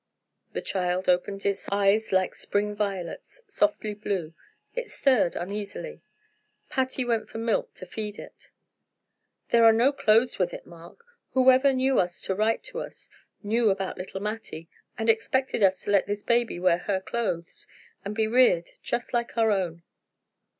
The child opened its eyes eyes like spring violets, softly blue. It stirred uneasily. Patty went for milk to feed it. "There are no clothes with it, Mark. Whoever knew us to write to us, knew about little Mattie, and expected us to let this baby wear her clothes, and be reared just like our own."